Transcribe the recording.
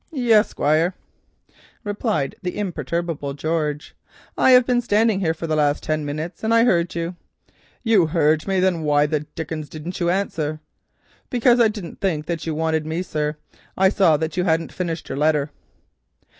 "Yis, Squire," replied the imperturbable George, "I hev been a standing here for the last ten minutes, and I heard you." "You heard me, then why the dickens didn't you answer?" "Because I didn't think as you wanted me, sir. I saw that you hadn't finished your letter."